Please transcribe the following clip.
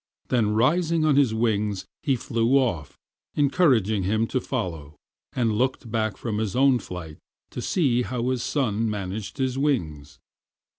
Then rising on his wings, he flew off, encouraging him to follow, and looked back from his own flight to see how his son managed his wings.